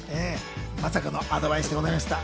まさかのアドバイスでございました。